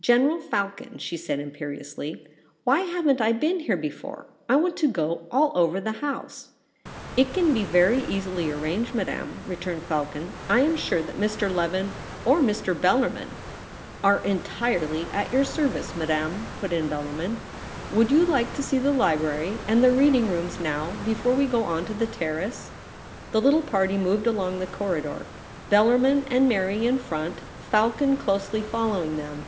' General Falcon,' she said imperiously, ' why haven't I been here before ? I want to go all over the House.' * It can be very easily arranged, Madame,' returned P'alcon. ' I am sure that Mr. Leven or Mr. Bellarmln ' MARY BEATON. 8i 'Are entirely at your service, Madame/ put in Bellarmin. ' Would you like to see the library and the reading rooms now, before we go on to the Terrace ?' The little party moved along the corridor, Bellarmin and Mary in front, Falcon closely following them.